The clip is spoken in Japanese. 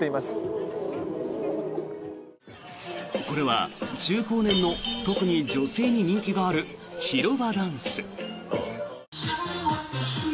これは中高年の特に女性に人気がある広場ダンス。